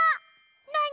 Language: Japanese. なに？